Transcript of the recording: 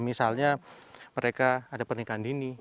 misalnya mereka ada pernikahan dini